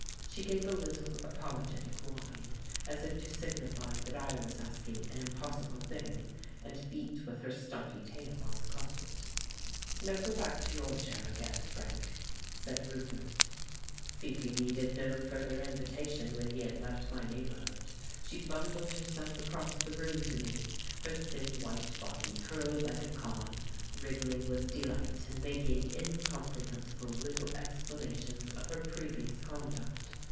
She gave a little apologetic whine, as if to signify that I was asking an impossible thing, and beat with her stumpy tail on the carpet. 147 The Case of Frank Hampden "Now go back to your chair again, Frank," said Roupert. Fifi needed no further invitation when he had left my neighbourhood. She bundled herself across the room to me, her thin white body curled like a comma, wriggling with delight and making incom prehensible little explanations of her previous con duct.